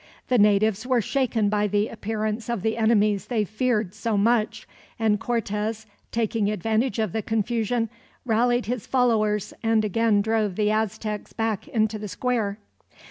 The natives were shaken by the appearance of the enemies they feared so much; and Cortez, taking advantage of the confusion, rallied his followers, and again drove the Aztecs back into the square.